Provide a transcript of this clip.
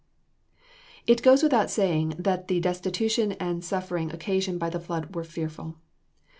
It goes without saying that the destitution and suffering occasioned by the flood were fearful.